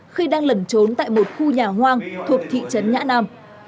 khi đang lẩn trốn tại một khu nhà hoang thuộc thị trấn nhã nam